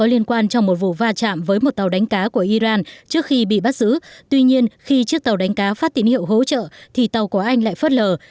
tàu trở dầu treo cửa anh bị bắt giữ tuy nhiên khi chiếc tàu đánh cá phát tín hiệu hỗ trợ thì tàu của anh lại phớt lở